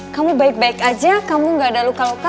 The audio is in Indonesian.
kamu baik baik aja kamu gak ada luka luka